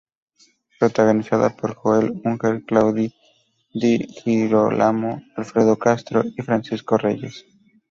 Protagonizada por Jael Unger, Claudia Di Girólamo, Alfredo Castro y Francisco Reyes.